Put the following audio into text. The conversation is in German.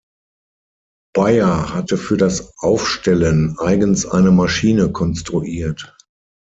Beyer hatte für das Aufstellen eigens eine Maschine konstruiert.